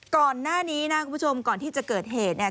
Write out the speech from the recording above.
ก่อนหน้านี้นะคุณผู้ชมก่อนที่จะเกิดเหตุเนี่ย